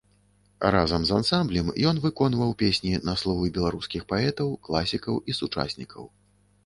Разам з ансамблем ён выконваў песні на словы беларускіх паэтаў, класікаў і сучаснікаў.